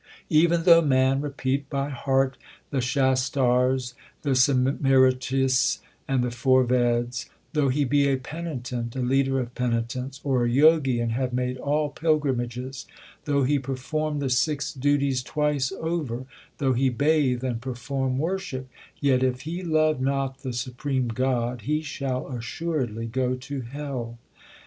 Even though man repeat by heart the Shastars, the Simritis, and the four Veds ; Though he be a penitent, a leader of penitents, or a Jogi and have made all pilgrimages ; Though he perform the six duties twice over, though he bathe and perform worship, Yet if he love not the supreme God, he shall assuredly go to hell.